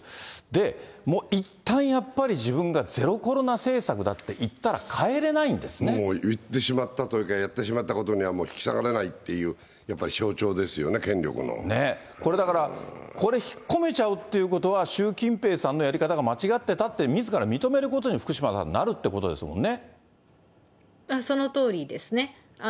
で、いったんやっぱり自分がゼロコロナ政策だって言ったら、もう、言ってしまったというか、やってしまったことにはもう、引き下がれないっていう、やっぱこれだから、これ引っ込めちゃうっていうことは、習近平さんのやり方が間違ってたって、みずから認めることに福島さん、そのとおりですね。